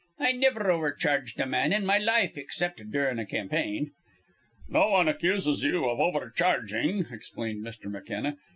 "I niver overcharged a man in my life, except durin' a campaign." "No one accuses you of overcharging," explained Mr. McKenna.